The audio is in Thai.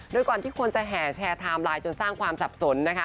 โดยก่อนที่คนจะแห่แชร์ไทม์ไลน์จนสร้างความสับสนนะคะ